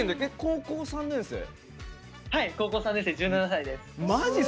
高校３年生、１７歳です。